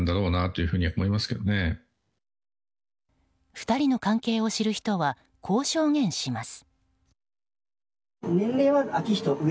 ２人の関係を知る人はこう証言します。